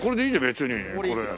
別にこれ。